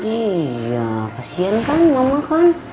iya kasian kan mama kan